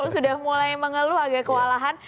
sudah mulai mengeluh agak kewalahan